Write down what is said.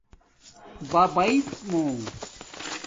ببیڎمُو